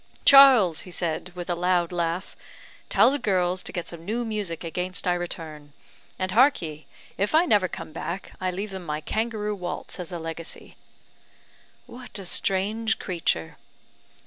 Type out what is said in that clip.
'Charles,' he said, with a loud laugh, 'tell the girls to get some new music against I return: and, hark ye! if I never come back, I leave them my Kangaroo Waltz as a legacy.'" "What a strange creature!"